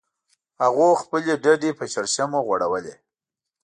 هغوی خپلې ډډې په شړشمو غوړولې